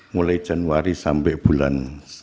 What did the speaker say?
mulai januari sampai bulan